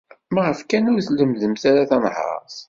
Maɣef kan ur tlemmded ara tanhaṛt?